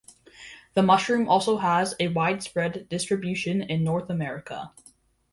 The mushroom also has a widespread distribution in North America.